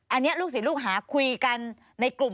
อันนี้ลูกศิษย์ลูกหาคุยกันในกลุ่ม